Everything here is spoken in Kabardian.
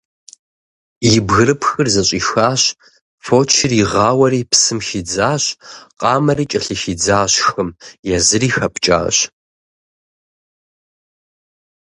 И бгырыпхыр зыщӀихащ, фочыр игъауэри, псым хидзащ, къамэри кӀэлъыхидзащ хым, езыри хэпкӀащ.